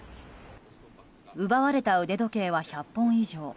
奪われた腕時計は１００本以上。